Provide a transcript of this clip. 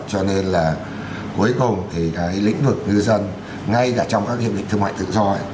cho nên là cuối cùng thì cái lĩnh vực ngư dân ngay cả trong các hiệp định thương mại tự do